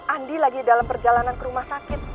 andi lagi dalam perjalanan ke rumah sakit